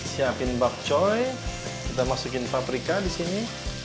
siapin bokcoy udah masukin paprika di sini